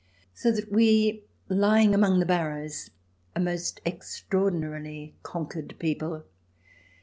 So that we, lying among the barrows, are most extraordinarily conquered people.